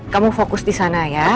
kamu fokus di sana ya